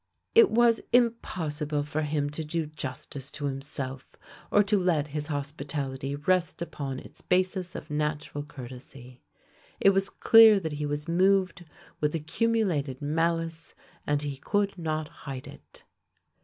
It was impossible for him to do justice to himself, or to let his hospitality rest upon its basis of natural cour tesy. It was clear that he was moved with accumu lated malice, and he could not hide it.